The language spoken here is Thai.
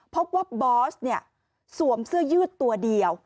พบว่าบอสสวมเสื้อยืดตัวเดียว